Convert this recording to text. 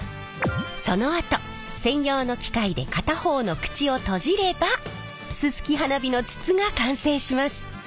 そのあと専用の機械で片方の口を閉じればすすき花火の筒が完成します。